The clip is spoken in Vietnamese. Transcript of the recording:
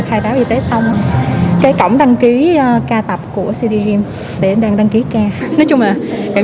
các bài tập y tế xong cái cổng đăng ký ca tập của cdgym để anh đang đăng ký ca nói chung là cảm